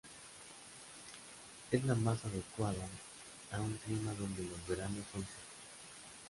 Es la más adecuada a un clima donde los veranos son secos.